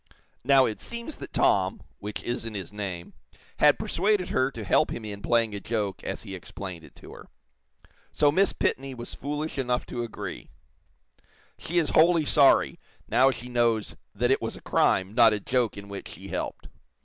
Now, it seems that 'Tom' which isn't his name, had persuaded her to help him in playing a joke, as he explained it to her. So Miss Pitney was foolish enough to agree. She is wholly sorry, now she knows that it was a crime, not a joke in which she helped.